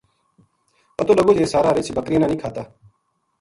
پتو لگو جے سارا رچھ بکریاں نا نیہہ کھاتا